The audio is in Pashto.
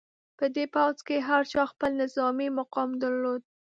په دې پوځ کې هر چا خپل نظامي مقام درلود.